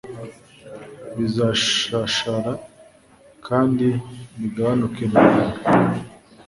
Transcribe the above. Bizashashara kandi bigabanuke mu bantu